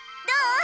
どう？